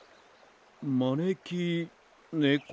まねきねこ？